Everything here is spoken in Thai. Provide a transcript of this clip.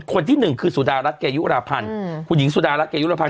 คนที่หนึ่งคือสุดารัฐเกยุราพันธ์คุณหญิงสุดารัฐเกยุรภ